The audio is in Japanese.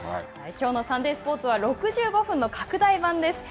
きょうのサンデースポーツは６５分の拡大版です。